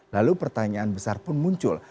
lalu pertanyaan besar pun muncul